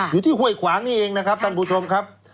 ห้วยขวางนี่เองนะครับท่านผู้ชมครับ